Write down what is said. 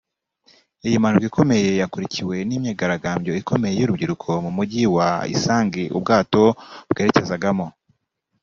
Iyi mpanuka ikomeye yakurikiwe n’imyigaragambyo ikomeye y’urubyiruko mu mujyi wa Isangi ubu bwato bwerekezagamo